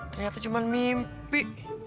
ternyata cuma mimpi